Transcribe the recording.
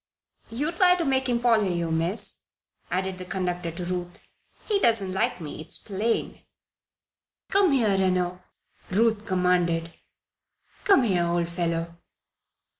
"You try to make him follow you, Miss," added the conductor to Ruth. "He doesn't like me, it's plain." "Come here, Reno!" Ruth commanded. "Come here, old fellow."